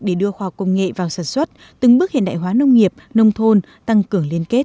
để đưa khoa công nghệ vào sản xuất từng bước hiện đại hóa nông nghiệp nông thôn tăng cường liên kết